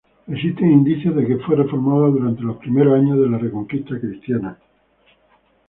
Existen indicios de que fue reformada durante los primeros años de la Reconquista cristiana.